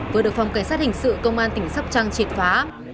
vừa được phòng cảnh sát hình sự công an tỉnh sóc trăng triệt phá